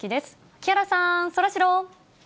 木原さん、そらジロー。